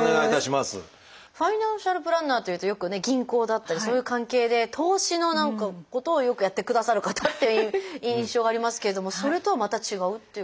ファイナンシャルプランナーというとよくね銀行だったりそういう関係で投資のことをよくやってくださる方っていう印象がありますけれどもそれとはまた違うっていうこと？